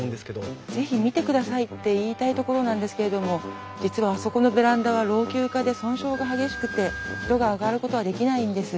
是非見てくださいって言いたいところなんですけれども実はあそこのベランダは老朽化で損傷が激しくて人が上がることはできないんです。